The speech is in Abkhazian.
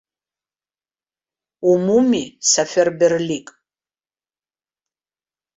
Умуми саферберлик.